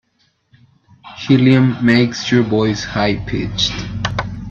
Helium makes your voice high pitched.